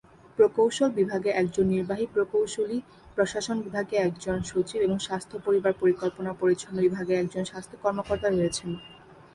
প্রকৌশল বিভাগে একজন নির্বাহী প্রকৌশলী, প্রশাসন বিভাগে একজন সচিব এবং স্বাস্থ্য পরিবার পরিকল্পনা ও পরিচ্ছন্ন বিভাগে একজন স্বাস্থ্য কর্মকর্তা রয়েছেন।